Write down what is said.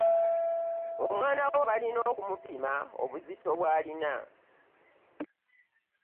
Omwana wo balina okumupima obuzito bwalina.